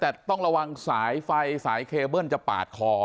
แต่ต้องระวังสายไฟสายเคเบิ้ลจะปาดคอ